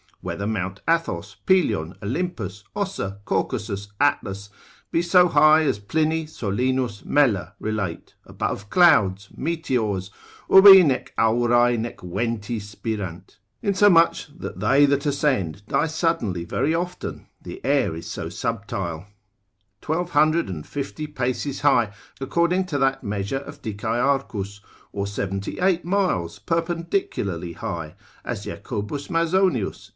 Whether Mount Athos, Pelion, Olympus, Ossa, Caucasus, Atlas, be so high as Pliny, Solinus, Mela relate, above clouds, meteors, ubi nec aurae nec venti spirant (insomuch that they that ascend die suddenly very often, the air is so subtile,) 1250 paces high, according to that measure of Dicearchus, or 78 miles perpendicularly high, as Jacobus Mazonius, sec. 3.